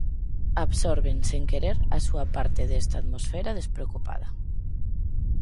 Absorben, sen querer, a súa parte desta atmosfera despreocupada.